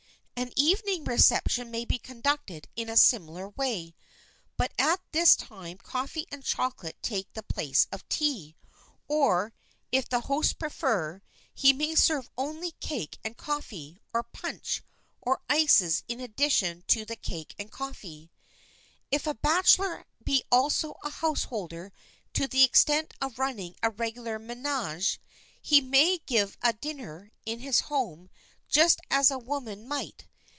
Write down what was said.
An evening reception may be conducted in a similar way, but at this time coffee and chocolate take the place of tea. Or, if the host prefer, he may serve only cake and coffee, or punch, or ices in addition to the cake and coffee. If a bachelor be also a householder to the extent of running a regular ménage, he may give a dinner in his home just as a woman might.